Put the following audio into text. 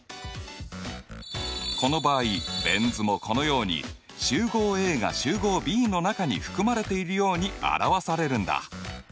この場合ベン図もこのように集合Ａが集合Ｂの中に含まれているように表されるんだ。